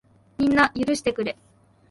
みんな、許してくれ。